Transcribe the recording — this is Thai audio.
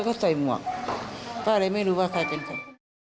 ก็ใส่หมวกก็เลยไม่รู้ว่าใครเป็นใคร